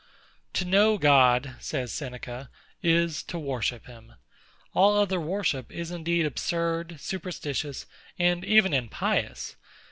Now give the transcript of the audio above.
To know God, says SENECA, is to worship him. All other worship is indeed absurd, superstitious, and even impious.